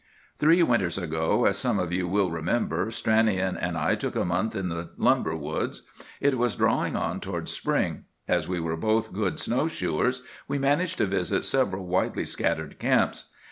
"Three winters ago, as some of you will remember, Stranion and I took a month in the lumber woods. It was drawing on toward spring. As we were both good snow shoers, we managed to visit several widely scattered camps.